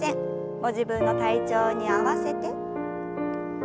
ご自分の体調に合わせて。